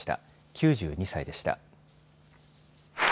９２歳でした。